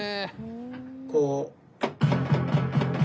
こう。